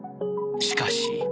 しかし。